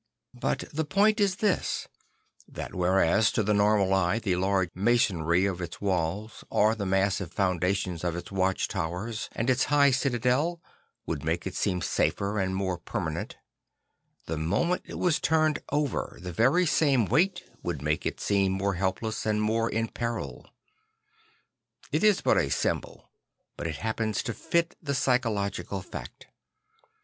But the point is this: that whereas to the normal eye the large masonry of its walls or the massive foundations of its watchtowers and its high citadel would make it seem safer and more permanent, the moment it was turned over the very same weight would make it seem more helpless and more in peril. It is but a symbol; but it happens to fit the psychological fact.